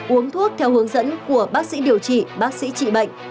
uống thuốc theo hướng dẫn của bác sĩ điều trị bác sĩ trị bệnh